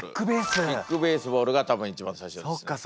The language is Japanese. キックベースボールが多分一番最初ですね。